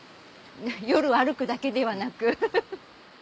夜歩くだけではなく。